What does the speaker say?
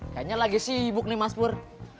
kayaknya lagi sibuk nih mas bur